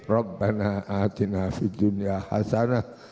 rabbana atina fil dunya hasanah